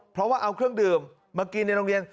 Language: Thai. เพราะว่าเอาเครื่องดื่มมากินในโรงเรียน